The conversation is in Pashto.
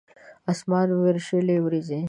اسمان وریشلې وریځې